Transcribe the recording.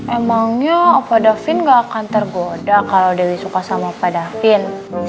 emangnya bapak davin nggak akan tergoda kalau dewi suka sama bapak davin